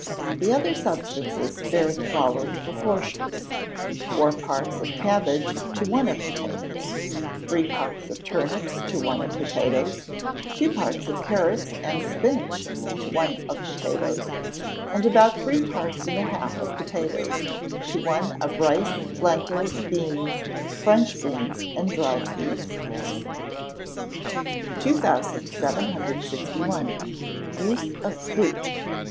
The other substances bear the followed proportions: four parts of cabbage to one of potatoes; three parts of turnips to one of potatoes; two parts of carrots and spinach to one of potatoes; and about three parts and a half of potatoes to one of rice, lentils, beans, French beans, and dry peas. 2761. Use of Fruit.